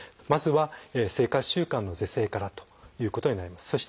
まずは生活習慣の是正からということになります。